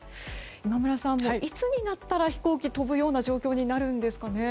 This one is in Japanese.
今村さん、いつになったら飛行機が飛ぶような状況になるんですかね。